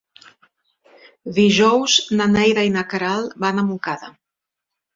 Dijous na Neida i na Queralt van a Montcada.